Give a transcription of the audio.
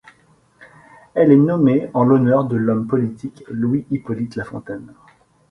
Elle est nommée en l'honneur de l'homme politique Louis-Hippolyte La Fontaine.